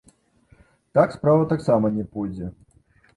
Так справа таксама не пойдзе.